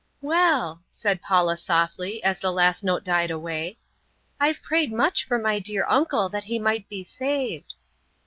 "Well," said Paula softly as the last note died away, "I've prayed much for my dear uncle that he might be saved."